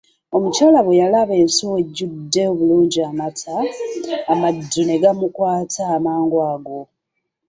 Omukyala bwe yalaba ensuwa ejjude obulungi amata, amaddu ne gamukwata amangu ago.